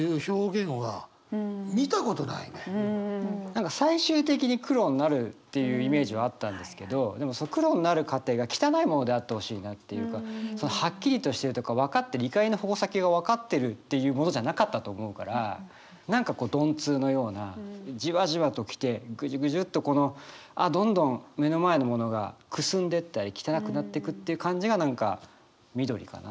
何か最終的に黒になるっていうイメージはあったんですけどでもその黒になる過程が汚いものであってほしいなっていうかはっきりとしてるとか分かってる怒りの矛先が分かってるっていうものじゃなかったと思うから何かこう鈍痛のようなジワジワと来てぐじゅぐじゅっとこのどんどん目の前のものがくすんでったり汚くなってくっていう感じが何か緑かなと思って。